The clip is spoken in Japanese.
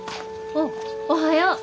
あっおはよう。